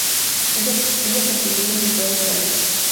Estas se encuentran distribuidas en toda Australia.